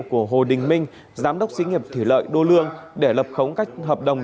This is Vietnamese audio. của hồ đình minh giám đốc sĩ nghiệp thủy lợi đô lương để lập khống các hợp đồng